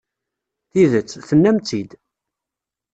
Tidet, tennamt-tt-id.